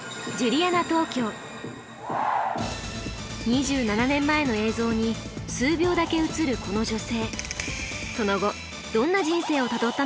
２７年前の映像に数秒だけ映るこの女性。